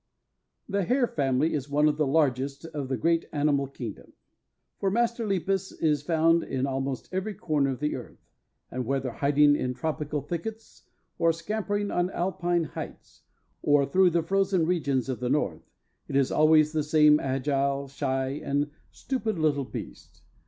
The hare family is one of the largest of the great animal kingdom, for Master Lepus is found in almost every corner of the earth, and whether hiding in tropical thickets, or scampering on Alpine heights, or through the frozen regions of the North, it is always the same agile, shy, and stupid little beast.